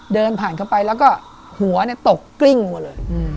เดินผ่านเข้าไปแล้วก็หัวตกกลิ้งมาเลย